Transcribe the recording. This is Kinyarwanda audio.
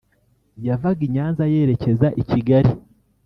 yavaga i Nyanza yerekeza i Kigali